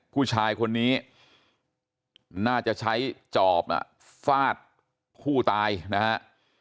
ผู้ชายคนนี้น่าจะใช้จอบฟาดผู้ตายนะฮะ